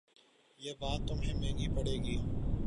یہ بات تمہیں مہنگی پڑے گی